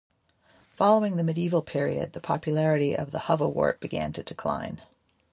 Following the medieval period, the popularity of the Hovawart began to decline.